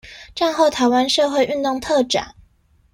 戰後臺灣社會運動特展